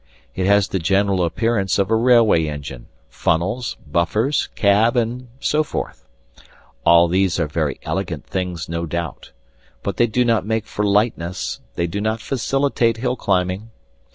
It has the general appearance of a railway engine; funnels, buffers, cab, and so forth. All these are very elegant things, no doubt; but they do not make for lightness, they do not facilitate hill climbing.